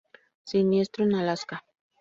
Siniestro en Alaska.